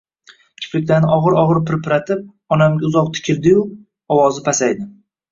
Kipriklarini og‘ir-og‘ir pirpiratib onamga uzoq tikildiyu ovozi pasaydi.